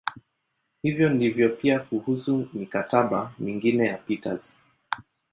Hivyo ndivyo pia kuhusu "mikataba" mingine ya Peters.